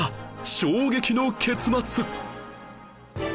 衝撃の結末